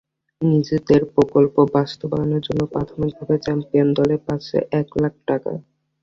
নিজেদের প্রকল্প বাস্তবায়নের জন্য প্রাথমিকভাবে চ্যাম্পিয়ন দল পাচ্ছে এক লাখ টাকা।